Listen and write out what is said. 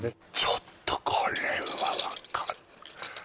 ちょっとこれは分かん